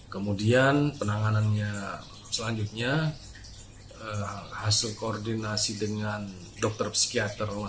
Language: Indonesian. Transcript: kemudian penanganannya selanjutnya hasil koordinasi dengan dokter psikiater rumah sakit